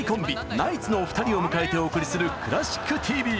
ナイツのお二人を迎えてお送りする「クラシックＴＶ」！